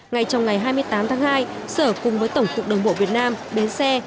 ngay trong ngày hai mươi tám tháng hai sở cùng với tổng cục đồng bộ việt nam bến xe